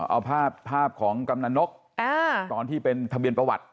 เอาภาพของกำนันนกตอนที่เป็นทะเบียนประวัติ